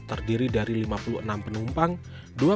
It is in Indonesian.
terdiri dari lima puluh enam penumpang